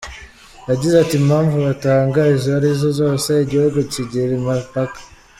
Yagize ati “Impamvu batanga izo arizo zose, igihugu kigira imipaka.